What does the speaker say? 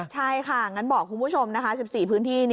ใช่ค่ะงั้นบอกคุณผู้ชมนะคะ๑๔พื้นที่